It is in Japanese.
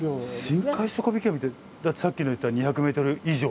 深海底引き網ってさっき言った２００ｍ以上？